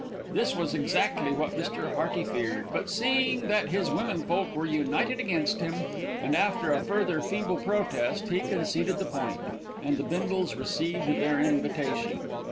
This was exactly what Mr. Hearty feared; but seeing that his women folk were united against him, and after a further feeble protest, he conceded the point, and the Bindles received their invitation.